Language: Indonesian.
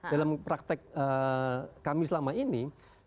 dalam praktek kami selama ini